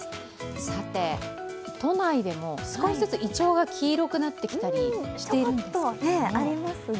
さて、都内でも少しずついちょうが黄色くなってきたりしてます。